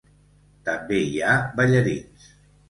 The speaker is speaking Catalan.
També hi ha ballarins.